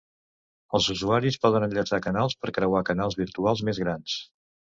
Els usuaris poden enllaçar canals per crear canals virtuals més grans.